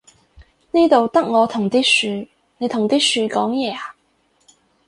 呢度得我同啲樹，你同啲樹講嘢呀？